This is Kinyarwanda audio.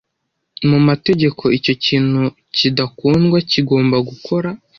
Mu mategeko icyo ikintu kidakundwa kigomba gukora